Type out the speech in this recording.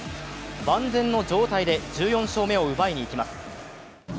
万全の状態で１４勝目を奪いに行きます。